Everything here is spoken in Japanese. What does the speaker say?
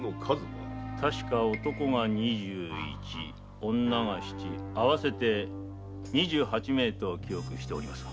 確か男が二十一女が七合わせて二十八名と記憶しておりますが。